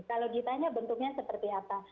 kalau ditanya bentuknya seperti apa